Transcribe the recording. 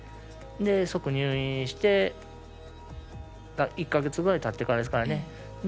即入院して１か月ぐらいたってからですかね。